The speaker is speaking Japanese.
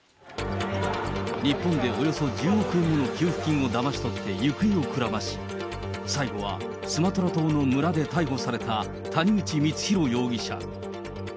日本でおよそ１０億円の給付金をだまし取って行方をくらまし、最後はスマトラ島の村で逮捕された、谷口光弘容疑者。